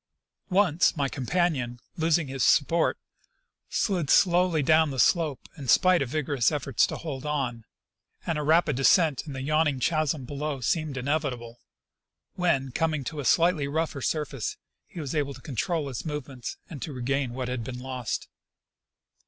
Once my companion, losing his support, slid slowly 132 /. C. RihHHell — Expedition to Mount St. Ellas. down the slope in spite of vigorous efforts to hold on, and a rapid descent in the yawning chasm below seemed inevitaljle, when, coming to a slightly rougher surface, he was able to control his movements and to regain what had been lost.